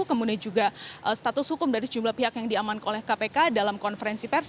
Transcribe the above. kemudian juga status hukum dari sejumlah pihak yang diamankan oleh kpk dalam konferensi pers